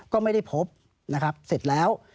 ก็ไม่ได้พบนะครับเสร็จแล้ว